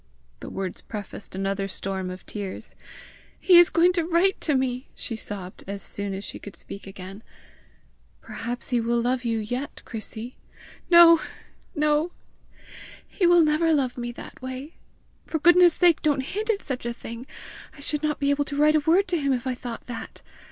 The words prefaced another storm of tears. "He is going to write to me," she sobbed, as soon as she could again speak. "Perhaps he will love you yet, Chrissy!" "No, no; he will never love me that way! For goodness' sake don't hint at such a thing! I should not be able to write a word to him, if I thought that!